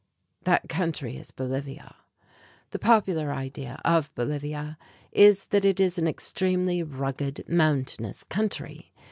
That country is Bolivia. The popular idea of Bolivia is that it is an extremely rugged, mountainous country.